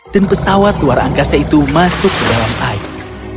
dan pesawat luar angkasa itu masuk ke dalam air